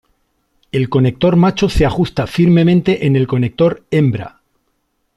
El conector macho se ajusta firmemente en el conector hembra.